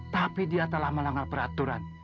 tapi dia telah melanggar peraturan